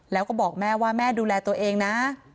แล้วก็บอกแม่ว่าแม่ดูแลตัวเองนะ